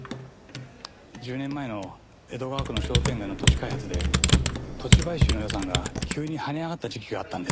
１０年前の江戸川区の商店街の土地開発で土地買収の予算が急に跳ね上がった時期があったんです。